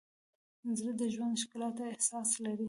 زړه د ژوند ښکلا ته احساس لري.